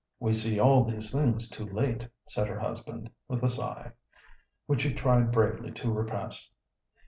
"We see all these things too late," said her husband, with a sigh, which he tried bravely to repress.